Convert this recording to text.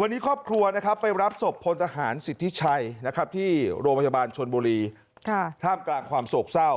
วันนี้ครอบครัวนะครับไปรับศพพลทหารสิทธิชัยนะครับที่โรงพยาบาลชนบุรีท่ามกลางความโศกเศร้า